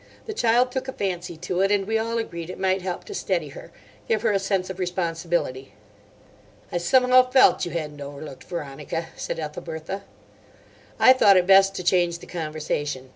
"The child took a fancy to it, and we all agreed it might help to steady her—give her a sense of responsibility." "I somehow felt you hadn't overlooked Veronica," said Ethelbertha. I thought it best to change the conversation.